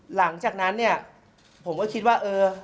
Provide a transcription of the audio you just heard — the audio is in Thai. หลังจากนั้นเนี่ยผมก็คิดว่าเออ